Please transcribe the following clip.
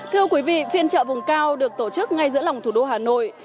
thưa quý vị phiên chợ vùng cao được tổ chức ngay giữa lòng thủ đô hà nội